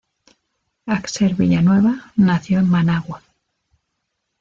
Axel Villanueva nació en Managua.